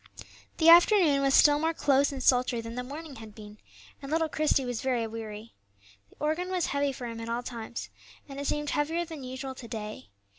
The afternoon was still more close and sultry than the morning had been, and little Christie was very weary. The organ was heavy for him at all times, and it seemed heavier than usual to day.